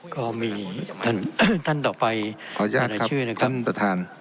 คิดก็มีตันต่อไปใดชื่อนะครับขออนุญาตครับท่านประธาน